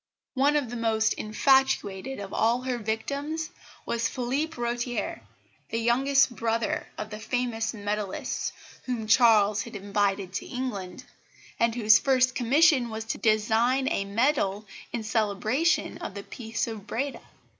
One of the most infatuated of all her victims was Phillipe Rotier, the youngest brother of the famous medallists whom Charles had invited to England, and whose first commission was to design a medal in celebration of the Peace of Breda.